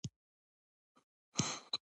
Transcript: د یوې ګوتې پر کمپوز او تقاعد یې ژوند چلوله.